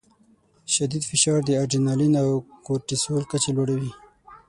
شدید فشار د اډرینالین او کورټیسول کچه لوړوي.